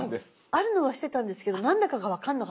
あるのは知ってたんですけど何だかが分かんなかった。